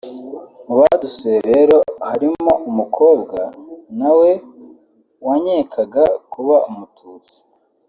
Mu badusuye rero harimo umukobwa nawe wankekaga kuba umututsi